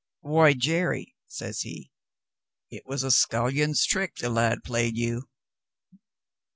"Why, Jerry," says he, "it was a scullion's trick the lad played you."